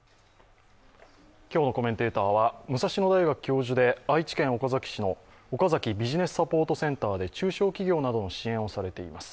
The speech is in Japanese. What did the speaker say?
今日のコメンテーターは武蔵野大学教授で、愛知県岡崎市の岡崎ビジネスサポートセンターで中小企業などの支援をされています